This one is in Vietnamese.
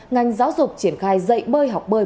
ngành giáo dục triển khai dạy bơi học bơi